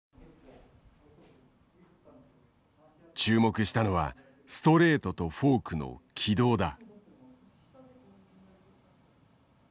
注目したのはストレートとフォークの軌道だ。